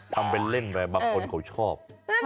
ทำเป็นเล่นไปบางคนเขาชอบ